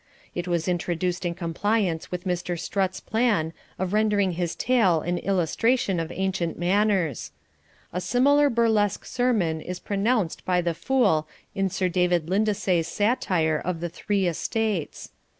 It was introduced in compliance with Mr Strutt's plan of rendering his tale an illustration of ancient manners A similar burlesque sermon is pronounced by the fool in Sir David Lindesay's satire of the Three Estates.